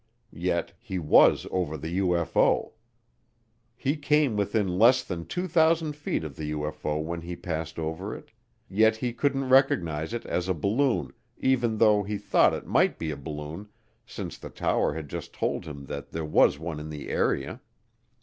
Yet he was over the UFO. He came within less than 2,000 feet of the UFO when he passed over it; yet he couldn't recognize it as a balloon even though he thought it might be a balloon since the tower had just told him that there was one in the area.